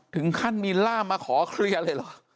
ถึงขั้นมีล่ามาขอเคลียร์เลยเหรอ